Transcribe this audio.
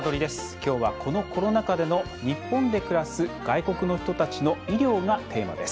きょうは、このコロナ禍での日本で暮らす外国の人たちの医療がテーマです。